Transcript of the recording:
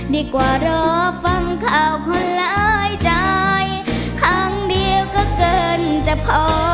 ดีกว่ารอฟังข่าวคนหลายใจครั้งเดียวก็เกินจะพอ